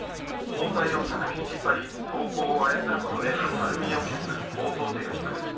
包帯をたくみに引っ張り走行を操ることでたるみを消す高等テクニックです。